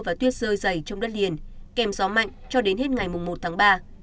và tuyết rơi dày trong đất liền kèm gió mạnh cho đến hết ngày một tháng ba